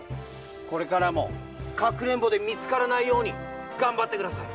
これからもかくれんぼでみつからないようにがんばってください！